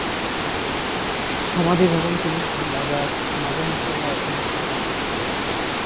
সমাধি ভবনটি মাজার হিসেবে এখনো সচল আছে।